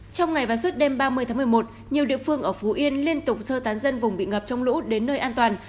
trong ngày và suốt đêm ba mươi tháng một mươi một nhiều địa phương ở phú yên liên tục sơ tán dân vùng bị ngập trong lũ đến nơi an toàn